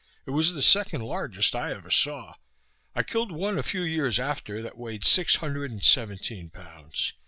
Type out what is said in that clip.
It was the second largest I ever saw. I killed one, a few years after, that weighed six hundred and seventeen pounds.